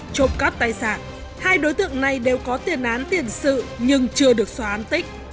trộm cắp tài sản hai đối tượng này đều có tiền án tiền sự nhưng chưa được xóa án tích